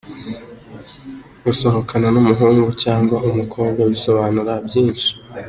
Gusohokana n’umuhungu cyangwa umukobwa bisobanura byinshi.